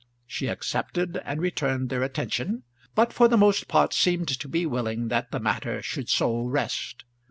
She accepted and returned their attention, but for the most part seemed to be willing that the matter should so rest.